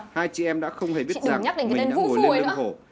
hai chị em đã không hề biết rằng mình đã ngồi lên lưng hổ